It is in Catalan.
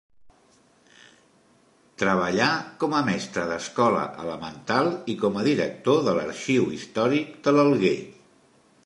Treballà com a mestre d'escola elemental i com a director de l'arxiu històric de l'Alguer.